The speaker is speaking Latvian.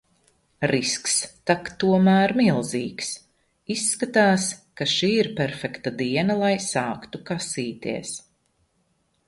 Risks tak tomēr milzīgs. Izskatās, ka šī ir perfekta diena lai sāktu kasīties.